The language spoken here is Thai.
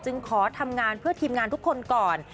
ขอทำงานเพื่อทีมงานทุกคนก่อน